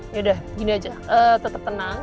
yaudah gini aja tetap tenang